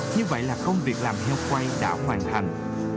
như vậy là công việc làm heo quay đã hoàn thành